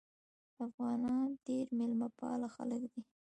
افغانان ډېر میلمه پال خلک دي.